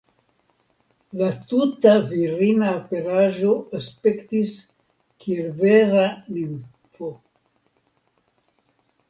La tuta virina aperaĵo aspektis kiel vera nimfo.